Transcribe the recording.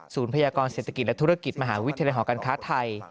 พยากรเศรษฐกิจและธุรกิจมหาวิทยาลัยหอการค้าไทย